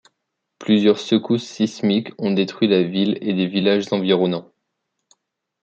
Plusieurs secousses sismiques ont détruit la ville et des villages environnants.